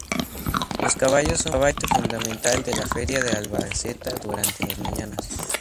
Los caballos son parte fundamental de la Feria de Albacete durante las mañanas.